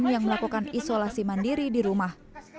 yang melakukan isolasi mandiri di rumah